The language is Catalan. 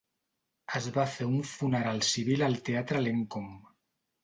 Es va fer un funeral civil al teatre Lenkom.